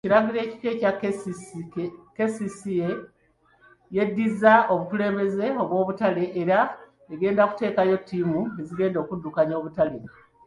Mu kiragiro ekipya, KCCA yeddiza obukulembeze bw'obutale era ng'egenda kuteekayo ttiimu ezigenda okuddukanya obutale.